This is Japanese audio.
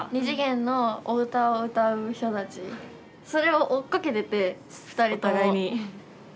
２次元のお歌を歌う人たちそれを追っかけてて２人とも。お互いに。